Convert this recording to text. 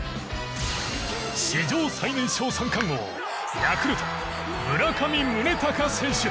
史上最年少三冠王ヤクルト村上宗隆選手。